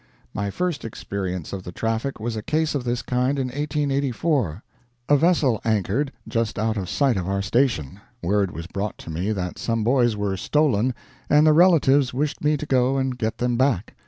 My first experience of the Traffic was a case of this kind in 1884. A vessel anchored just out of sight of our station, word was brought to me that some boys were stolen, and the relatives wished me to go and get them back.